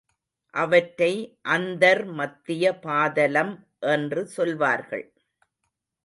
அவற்றை அந்தர் மத்திய பாதலம் என்று சொல்வார்கள்.